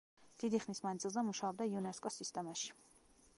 დიდი ხნის მანძილზე მუშაობდა იუნესკოს სისტემაში.